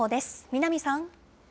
南さん。